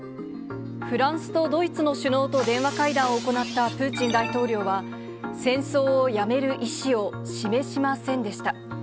フランスとドイツの首脳と電話会談を行ったプーチン大統領は、戦争をやめる意思を示しませんでした。